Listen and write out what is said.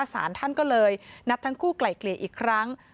สารท่านก็เลยนัดทั้งคู่ไกล่เกลี่ยอีกครั้ง